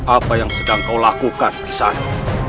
apa yang sedang kau lakukan di sana